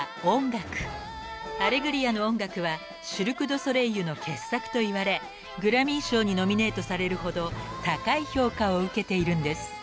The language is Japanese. ［『アレグリア』の音楽はシルク・ドゥ・ソレイユの傑作といわれグラミー賞にノミネートされるほど高い評価を受けているんです］